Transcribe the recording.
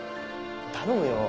頼むよ！